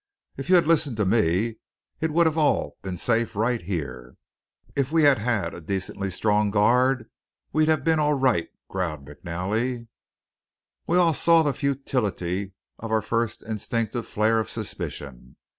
"If you'd listened to me, it would have all been safe right here." "If we'd had a decently strong guard, we'd have been all right," growled McNally. We all saw the futility of our first instinctive flare of suspicion.